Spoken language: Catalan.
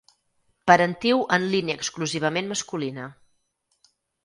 Parentiu en línia exclusivament masculina.